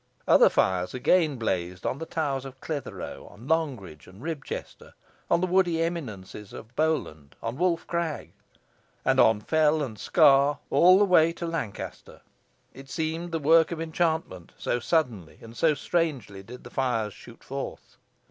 Other fires again blazed on the towers of Clithero, on Longridge and Ribchester, on the woody eminences of Bowland, on Wolf Crag, and on fell and scar all the way to Lancaster. It seemed the work of enchantment, so suddenly and so strangely did the fires shoot forth.